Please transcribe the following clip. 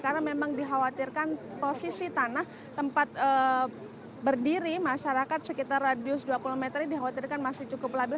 karena memang dikhawatirkan posisi tanah tempat berdiri masyarakat sekitar radius dua puluh meter ini dikhawatirkan masih cukup labil